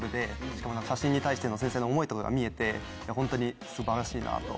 しかも写真に対しての繊細な思いとかが見えてホントに素晴らしいなと。